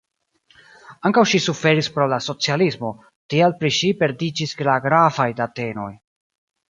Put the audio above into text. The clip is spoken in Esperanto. Ankaŭ ŝi suferis pro la socialismo, tial pri ŝi perdiĝis la gravaj datenoj.